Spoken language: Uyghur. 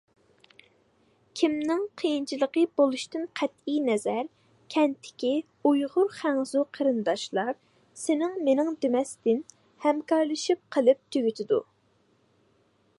كىمنىڭ قىيىنچىلىقى بولۇشىدىن قەتئىينەزەر كەنتتىكى ئۇيغۇر، خەنزۇ قېرىنداشلار سېنىڭ، مېنىڭ دېمەستىن ھەمكارلىشىپ قىلىپ تۈگىتىدۇ.